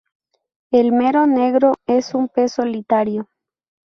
El mero negro es un pez solitario.